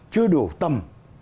chưa đủ tầm